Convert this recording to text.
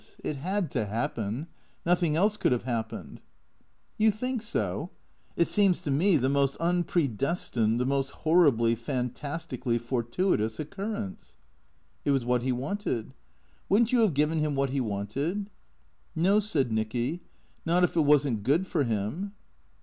It had to happen. Nothing else could have happened." " You think so ? It seems to me the most unpredestined, the most horribly, fantastically fortuitous occurrence." " It was what he wanted. Would n't you have given him what he wanted ?"" No," said Nicky, " not if it was n't good for him."